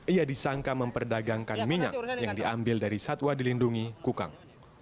ia disangka memperdagangkan minyak yang diambil dari satwa dilindungi kukang